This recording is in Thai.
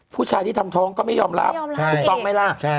ผู้ชายที่ทำท้องก็ไม่ยอมรับต้องไม่รับ